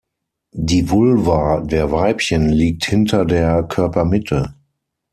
Die Vulva der Weibchen liegt hinter der Körpermitte.